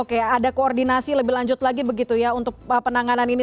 oke ada koordinasi lebih lanjut lagi begitu ya untuk penanganan ini